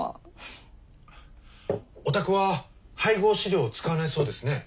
お宅は配合飼料を使わないそうですね。